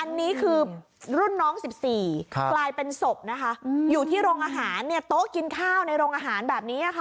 อันนี้คือรุ่นน้อง๑๔กลายเป็นศพนะคะอยู่ที่โรงอาหารเนี่ยโต๊ะกินข้าวในโรงอาหารแบบนี้ค่ะ